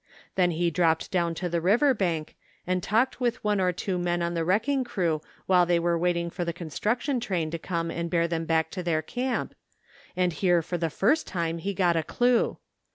Then he dropped down to the river bank and talked with one or two men on the wrecking crew while they were waiting for the construction train to come and bear them back to their camp, and here for the first time he got a clue.